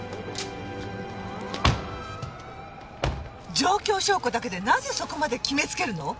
状況証拠だけでなぜそこまで決め付けるの？